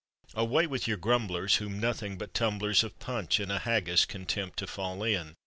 Away with your grumblers whom nothing but tumblers Of punch and a haggis can tempt to fall in!